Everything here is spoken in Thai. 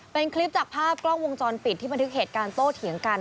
เป็นคลิปจากภาพกล้องวงจรปิดที่บันทึกเหตุการณ์โต้เถียงกัน